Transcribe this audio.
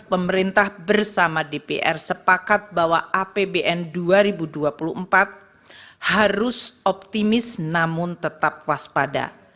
pemerintah bersama dpr sepakat bahwa apbn dua ribu dua puluh empat harus optimis namun tetap waspada